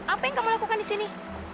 apa yang kamu lakukan di sini